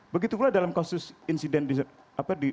begitu pula dalam kasus insiden di malang